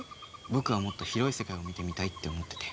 僕はもっと広い世界を見てみたいって思ってて。